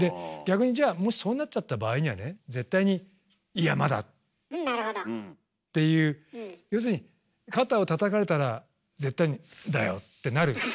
逆にじゃあもしそうなっちゃった場合にはね絶対になるほど。っていう要するに肩をたたかれたら絶対に「んだよ！」ってなる。